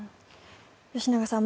吉永さん